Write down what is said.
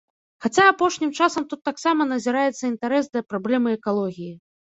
Хаця апошнім часам тут таксама назіраецца інтарэс да праблемы экалогіі.